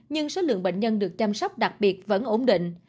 nhưng số lượng bệnh nhân được chăm sóc đặc biệt vẫn ổn định